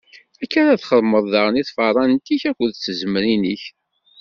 Akka ara txedmeḍ daɣen i tfeṛṛant-ik akked tzemmrin-ik.